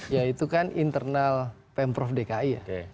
ya itu kan internal pemprov dki ya